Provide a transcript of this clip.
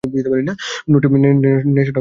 নেশাটা জমে ভালো।